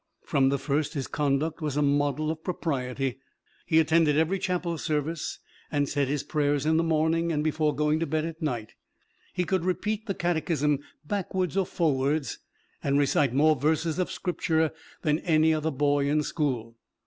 From the first, his conduct was a model of propriety. He attended every chapel service, and said his prayers in the morning and before going to bed at night; he could repeat the catechism backwards or forwards, and recite more verses of Scripture than any other boy in school.